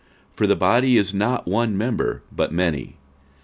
46:012:014 For the body is not one member, but many.